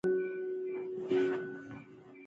تر الوتنې څو دقیقې مخکې مې احرام وتړلو.